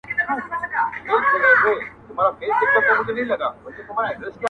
باد را الوتی، له شبِ ستان دی.